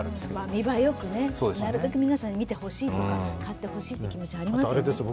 見栄えよく、なるべく皆さんに見てほしいとか買ってほしいという気持ちはありますよね。